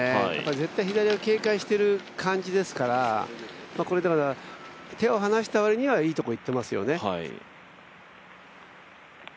絶対左を警戒している感じですから手を離した割にはいいところにいってますね。